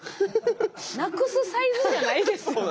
なくすサイズじゃないですよね？